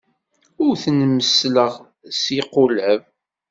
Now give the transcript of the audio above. Ur ten-messleɣ s yiqulab.